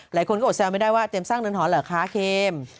หลายคนก็อดแซวไม่ได้ว่าเตรียมสร้างเรือนหอนเหรอคะเคม